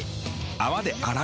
泡で洗う。